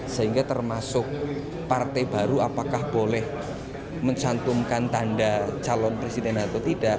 sehingga termasuk partai baru apakah boleh mencantumkan tanda calon presiden atau tidak